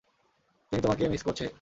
তিনি তোমাকে মিস করছে।